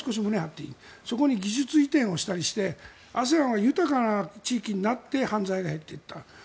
そこに技術移転をしたりしてＡＳＥＡＮは豊かな地域になって犯罪が減っていった。